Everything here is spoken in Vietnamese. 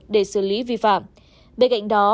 để xử lý vi phạm bên cạnh đó